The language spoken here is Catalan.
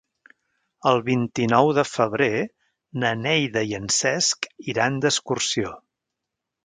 El vint-i-nou de febrer na Neida i en Cesc iran d'excursió.